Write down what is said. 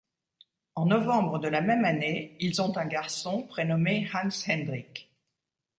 En novembre de la même année, ils ont un garçon prénommé Hans Hendrik.